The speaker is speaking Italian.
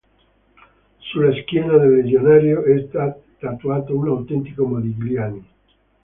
Sulla schiena del legionario è tatuato un autentico Modigliani.